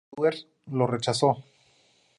Stewart lo rechazó.